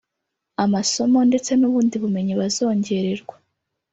amasomo ndetse n’ubundi bumenyi bazongererwa